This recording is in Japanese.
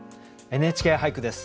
「ＮＨＫ俳句」です。